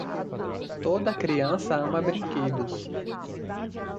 Toda criança ama brinquedos.